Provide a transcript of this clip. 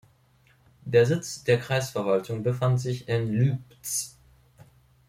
Der Sitz der Kreisverwaltung befand sich in Lübz.